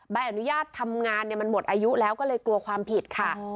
ใบอนุญาตทำงานเนี่ยมันหมดอายุแล้วก็เลยกลัวความผิดค่ะ